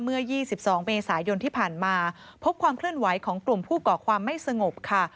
เมื่อ๒๒เมษายนที่ผ่านมาพบความเคลื่อนไหวของกลุ่มผู้ก่อความไม่สงบค่ะ